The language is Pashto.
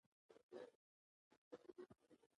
په ساده تولید کې مالک پخپله کار کوي.